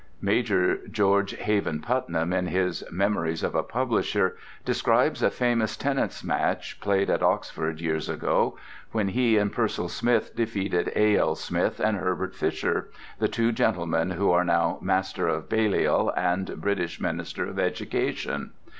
Major George Haven Putnam in his "Memories of a Publisher" describes a famous tennis match played at Oxford years ago, when he and Pearsall Smith defeated A.L. Smith and Herbert Fisher, the two gentlemen who are now Master of Balliol and British Minister of Education.